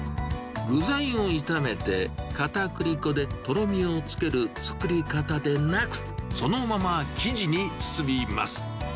具材を炒めて、かたくり粉でとろみをつける作り方でなく、そのまま生地に包みます。